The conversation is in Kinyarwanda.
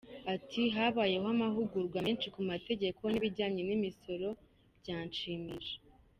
Ati “Habayeho amahugurwa menshi ku mategeko n’ibijyanye n’imisoro, byanshimisha.